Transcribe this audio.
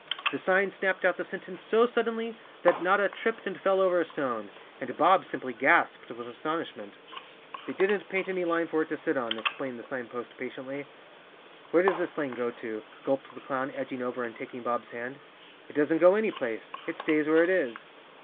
The sign snapped out the sentence so suddenly that Notta tripped and fell over a stone, and Bob simply gasped with astonishment. "They didn't paint any line for it to sit on," ex¬ plained the sign post patiently. "Where does this lane go to?" gulped the clown, edging over and taking Bob's hand. "It doesn't go any place. It stays where it is."